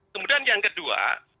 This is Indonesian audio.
kemudian yang kedua